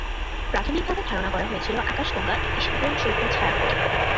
প্রাথমিকভাবে ধারণা করা হয়েছিল আকাশগঙ্গা একটি সাধারণ সর্পিল ছায়াপথ।